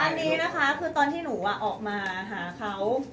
อันนี้นะคะคือตอนที่หนูออกมาหาเขา